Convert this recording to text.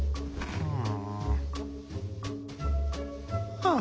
ふん。